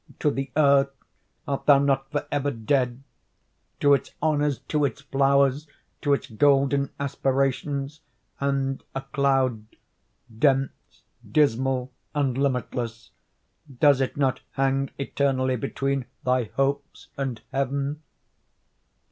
—to the earth art thou not forever dead? to its honors, to its flowers, to its golden aspirations?—and a cloud, dense, dismal, and limitless, does it not hang eternally between thy hopes and heaven?